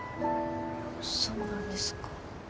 そうなんですか。